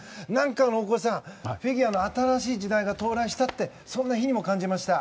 大越さんフィギュアの新しい時代が到来したってそんな日にも感じました。